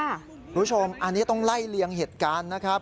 คุณผู้ชมอันนี้ต้องไล่เลียงเหตุการณ์นะครับ